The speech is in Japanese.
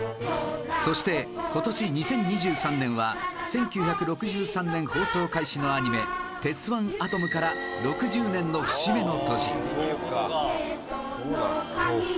そして、今年２０２３年は１９６３年放送開始のアニメ『鉄腕アトム』から６０年の節目の年伊達：そうか！